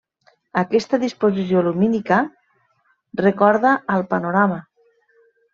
Aquesta disposició lumínica recorda al Panorama.